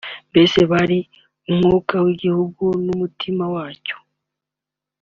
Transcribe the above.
mbese bari umwuka w’igihugu n’umutima wacyo